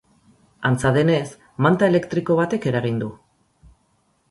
Antza denez, manta elektriko batek eragin du.